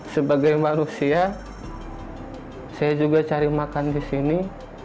sebagai manusia saya juga cari makan di sini